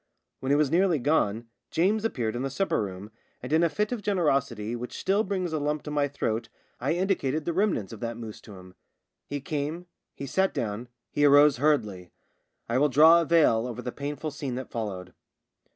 When it was nearly gone James appeared in the supper room, and in a fit of generosity which still brings a lump to my throat I indicated the remnants of that mousse to him. He came — he sat down — he arose hurriedly. I will draw a veil over the pain ful scene that followed.